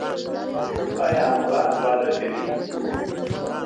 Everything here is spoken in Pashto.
ایا مراد واده کوي؟